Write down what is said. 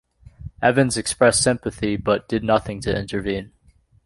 Evans expressed sympathy but did nothing to intervene.